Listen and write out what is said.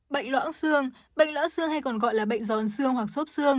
bệnh lõa xương bệnh lõa xương hay còn gọi là bệnh giòn xương hoặc sốt xương